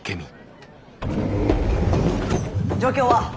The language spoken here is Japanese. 状況は？